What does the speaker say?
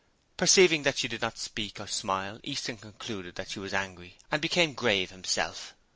Perceiving that she did not speak or smile, Easton concluded that she was angry and became grave himself.